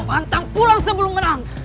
pantang pulang sebelum menang